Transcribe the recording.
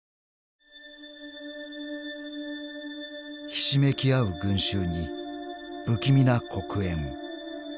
［ひしめき合う群衆に不気味な黒煙］